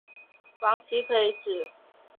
王祺可以指